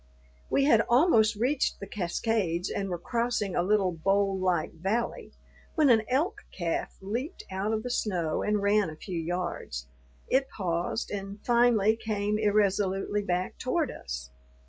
We had almost reached the cascades and were crossing a little bowl like valley, when an elk calf leaped out of the snow and ran a few yards. It paused and finally came irresolutely back toward us.